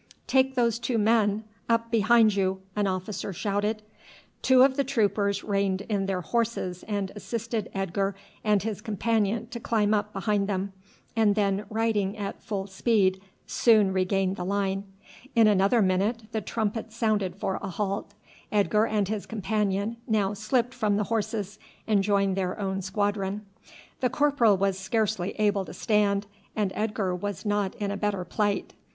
"Take those two men up behind you!" an officer shouted. Two of the troopers reined in their horses and assisted Edgar and his companion to climb up behind them, and then riding at full speed soon regained the line. In another minute the trumpet sounded for a halt. Edgar and his companion now slipped from the horses and joined their own squadron. The corporal was scarce able to stand, and Edgar was not in a better plight.